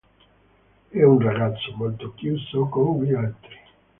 È un ragazzo molto chiuso con gli altri.